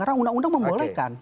karena undang undang membolehkan